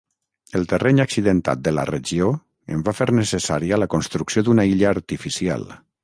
El terreny accidentat de la regió en va fer necessària la construcció d'una illa artificial.